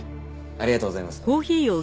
ありがとうございます。